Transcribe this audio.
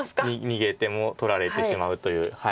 逃げても取られてしまうという。